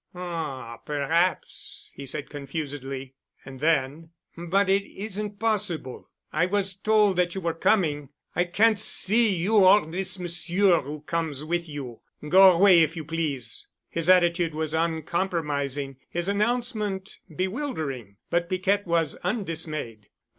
"Ah—perhaps," he said confusedly. And then, "But it isn't possible. I was told that you were coming. I can't see you or this monsieur who comes with you. Go away if you please." His attitude was uncompromising, his announcement bewildering, but Piquette was undismayed.